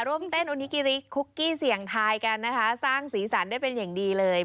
ร่วมเต้นโอนิกิริกคุกกี้เสี่ยงทายกันนะคะสร้างสีสันได้เป็นอย่างดีเลย